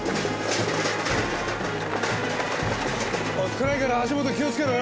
暗いから足元気をつけろよ。